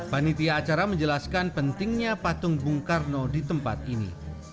panitia acara menjelaskan pentingnya patung bung karno di tempat ini